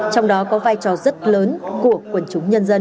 trong đó có vai trò rất lớn của quần chúng nhân dân